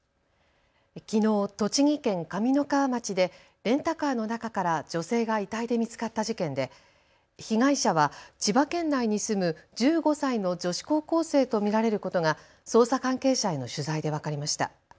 きのう栃木県上三川町でレンタカーの中から女性が遺体で見つかった事件で被害者は千葉県内に住む１５歳の女子高校生と見られることが捜査関係者への取材で分かりました。